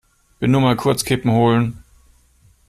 Bin nur mal kurz Kippen holen!